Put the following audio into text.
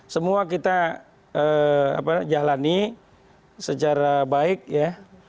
semua kita jalani secara baik ya